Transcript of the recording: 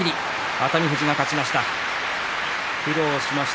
熱海富士が勝ちました。